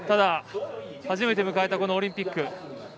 初めて迎えたこのオリンピック。